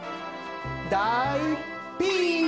だいピース！